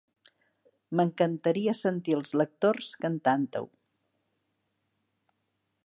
M'encantaria sentir els lectors cantant-ho.